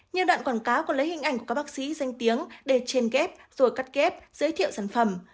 nhiều đoạn quảng cáo có lấy hình ảnh của các bác sĩ danh tiếng để trên ghép rồi cắt ghép giới thiệu sản phẩm